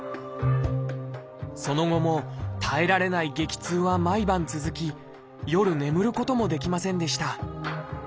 その後も耐えられない激痛は毎晩続き夜眠ることもできませんでした。